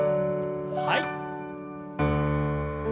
はい。